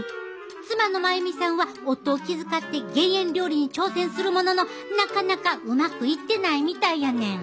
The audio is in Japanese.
妻の真由美さんは夫を気遣って減塩料理に挑戦するもののなかなかうまくいってないみたいやねん。